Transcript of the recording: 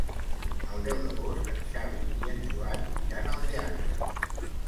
El deu d'agost en Xavi i en Joan iran al teatre.